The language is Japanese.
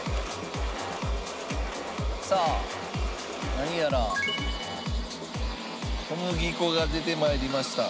さあ何やら小麦粉が出て参りました。